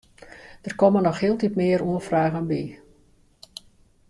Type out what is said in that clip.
Der komme noch hieltyd mear oanfragen by.